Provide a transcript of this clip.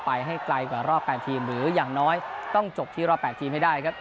ไปให้ไกลกว่ารอบ๘ทีมหรืออย่างน้อยต้องจบที่รอบ๘ทีมให้ได้ครับ